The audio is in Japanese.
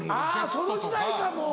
その時代かもう。